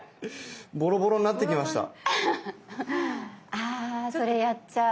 あそれやっちゃう。